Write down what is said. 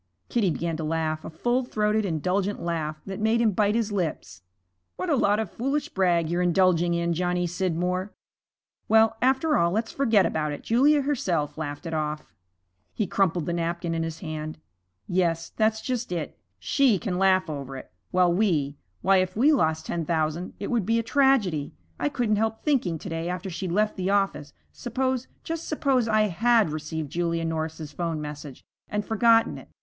Kitty began to laugh, a full throated, indulgent laugh, that made him bite his lips. 'What a lot of foolish brag you're indulging in, Johnny Scidmore. Well, after all, let's forget about it; Julia herself laughed it off.' He crumpled the napkin in his hand. 'Yes, that's just it. She can laugh over it, while we why, if we lost ten thousand it would be a tragedy. I couldn't help thinking to day after she'd left the office, suppose, just suppose, I had received Julia Norris's 'phone message and forgotten it.